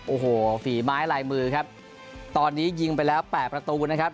โอ้โหฝีไม้ลายมือครับตอนนี้ยิงไปแล้วแปดประตูนะครับ